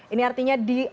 ini artinya di